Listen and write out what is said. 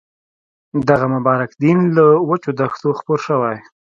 دغه مبارک دین له وچو دښتو خپور شوی.